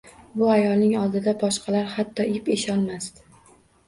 Bu ayolning oldida boshqalari hatto ip esholmasdi